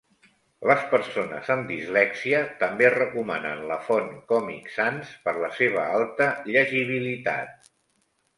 Les persones amb dislèxia també recomanen la font Comic Sans per la seva alta llegibilitat.